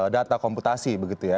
data komputasi begitu ya